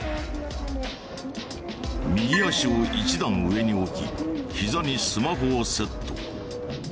右足を１段上に置き膝にスマホをセット。